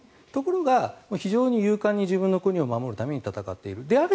ところが、非常に勇敢に自分の国を守るために戦っている。